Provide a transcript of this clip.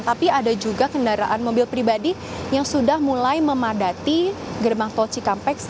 tapi ada juga kendaraan mobil pribadi yang sudah mulai memadati gerbang tol cikampek